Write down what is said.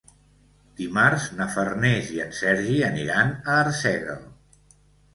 Dimarts na Farners i en Sergi aniran a Arsèguel.